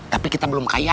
tapi kita belum kaya